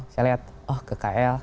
saya lihat oh ke kl